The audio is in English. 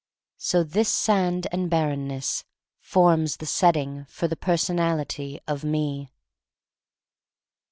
So this sand and barrenness forms the setting for the personality of me.